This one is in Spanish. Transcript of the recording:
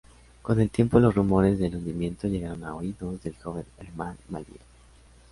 Con el tiempo los rumores del hundimiento llegaron a oídos del joven Herman Melville.